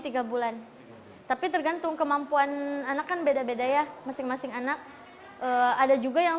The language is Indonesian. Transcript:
tiga bulan tapi tergantung kemampuan anak kan beda beda ya masing masing anak ada juga yang